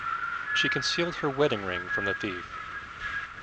She concealed her wedding ring from the thief.